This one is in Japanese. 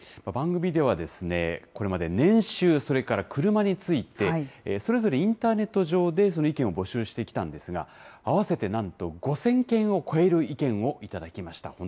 番組では、これまで年収、それからクルマについて、それぞれインターネット上で、意見を募集してきたんですが、合わせてなんと５０００件を超える意見を頂きました。